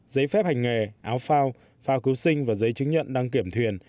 giấy phép hành nghề áo phao phao cứu sinh và giấy chứng nhận đăng kiểm thuyền